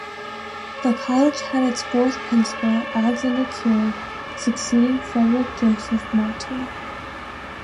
The College had its fourth Principal, Alexander Keir, succeeding Frederick Joseph Morten.